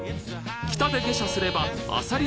北で下車すればあさり